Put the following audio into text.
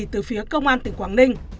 từ phía công an tỉnh quảng ninh